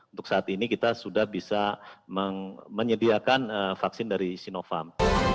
untuk saat ini kita sudah bisa menyediakan vaksin dari sinovac